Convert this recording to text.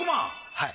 はい。